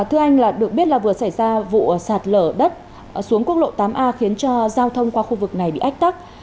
thưa anh được biết là vừa xảy ra vụ sạt lở đất xuống quốc lộ tám a khiến cho giao thông qua khu vực này bị ách tắc